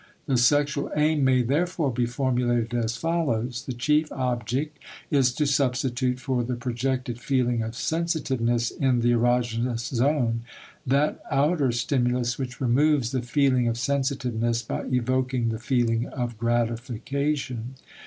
The sexual aim may therefore be formulated as follows: the chief object is to substitute for the projected feeling of sensitiveness in the erogenous zone that outer stimulus which removes the feeling of sensitiveness by evoking the feeling of gratification.